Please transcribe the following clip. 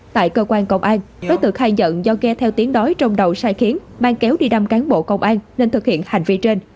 tại cơ quan công an đối tượng khai nhận do nghe theo tiếng nói trong đầu sai khiến mang kéo đi đâm cán bộ công an nên thực hiện hành vi trên